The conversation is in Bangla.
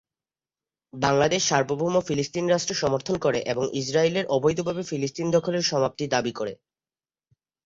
বাংলাদেশ সার্বভৌম ফিলিস্তিন রাষ্ট্র সমর্থন করে এবং ইসরায়েলের "অবৈধভাবে ফিলিস্তিন দখলের" সমাপ্তি দাবি করে।